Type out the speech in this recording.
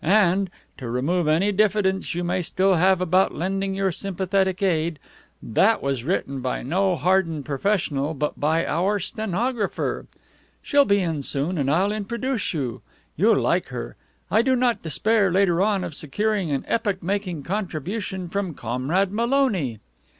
And to remove any diffidence you may still have about lending your sympathetic aid that was written by no hardened professional, but by our stenographer. She'll be in soon, and I'll introduce you. You'll like her. I do not despair, later on, of securing an epoch making contribution from Comrade Maloney."